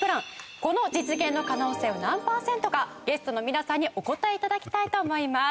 この実現の可能性は何パーセントかゲストの皆さんにお答え頂きたいと思います。